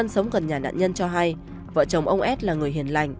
sống gần nhà nạn nhân cho hay vợ chồng ông s là người hiền lành